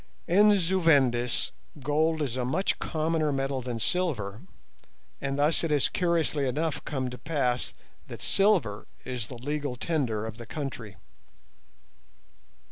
In Zu Vendis gold is a much commoner metal than silver, and thus it has curiously enough come to pass that silver is the legal tender of the country.